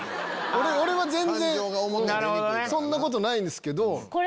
俺は全然そんなことないんですけど。